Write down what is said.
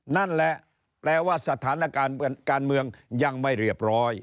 นั่นแหละแปลว่าสถานการณ์การเมืองยังไม่เรียบร้อย